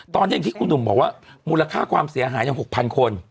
ตอนที่คุณหนุ่มบอกว่ามูลค่าความเสียหายยัง๖๐๐๐คน